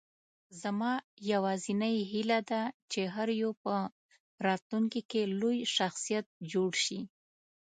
زما یوازینۍ هیله ده، چې هر یو په راتلونکې کې لوی شخصیت جوړ شي.